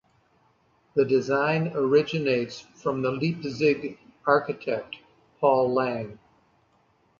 The design originates from the Leipzig architect Paul Lange.